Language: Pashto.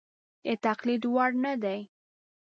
د تقلید وړ نه دي.